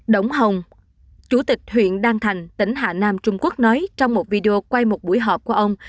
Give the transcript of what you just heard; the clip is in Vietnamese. đỗng hồng chủ tịch huyện đan thành tỉnh hà nam trung quốc nói trong một video quay một buổi họp của ông